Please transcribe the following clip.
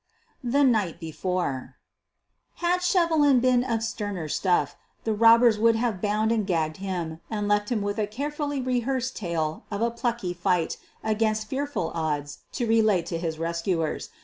THE NIGHT BEFORE Had Shevelin been of sterner stuff, the robbers would have bound and gagged him and left him with a carefully rehearsed tale of a plucky fight against fearful odds to relate to his rescuers.